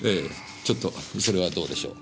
ちょっとそれはどうでしょう。